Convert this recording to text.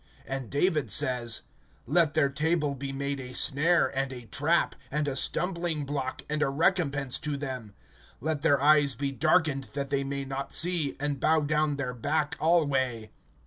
(9)And David says: Let their table be made a snare, and a trap, And a stumbling block, and a recompense to them; (10)Let their eyes be darkened, that they may not see, And bow down their back alway.